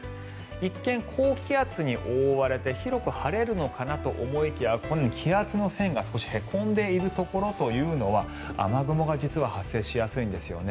一見、高気圧に覆われて広く晴れるのかなと思いきやこのように気圧の線が少しへこんでいるところというのは雨雲が実は発生しやすいんですよね。